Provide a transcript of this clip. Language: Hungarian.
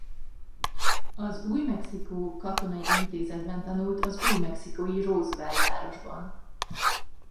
Az Új-Mexikó Katonai Intézetben tanult az új-Mexikói Roswell városban.